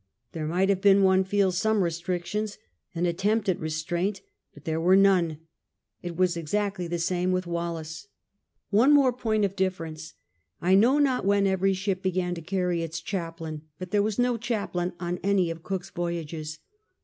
There might have been, one feels, some restrictions — an attempt at restraint — but there Avere none. It was exactly the same with Wallis. One more point of difFerenca I know not when every ship began to carry its chaplain, but there was no chaplain on any of Cook^s voyages.